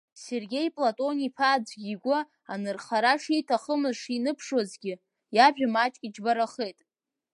Сергеи Платон-иԥа аӡәгьы игәы анырхара шиҭахымыз шиныԥшуазгьы, иажәа маҷк иџьбарахеит.